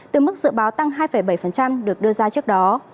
từ mức dự báo tăng hai bảy được đưa ra trước đó